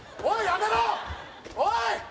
おい！